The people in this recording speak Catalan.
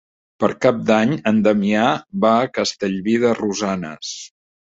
Per Cap d'Any en Damià va a Castellví de Rosanes.